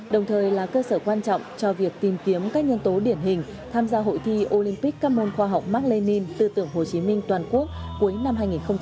đồng thời là cơ sở quan trọng cho việc tìm kiếm các nhân tố điển hình tham gia hội thi olympic các môn khoa học mark lenin tư tưởng hồ chí minh toàn quốc cuối năm hai nghìn hai mươi